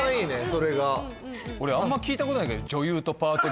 それが俺あんま聞いたことないけどまあ